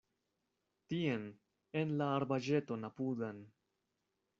Tien, en la arbaĵeton apudan.